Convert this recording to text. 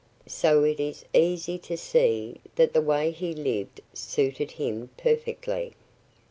So it is easy to see that the way he lived suited him perfectly.